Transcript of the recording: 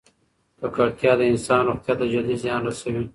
ککړتیا د انسان روغتیا ته جدي زیان رسوي.